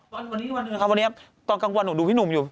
วันนี้ครับวันนี้ครับตอนกลางกวนหนูดูพี่หนุ่มอยู่